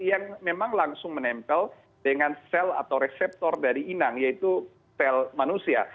yang memang langsung menempel dengan sel atau reseptor dari inang yaitu sel manusia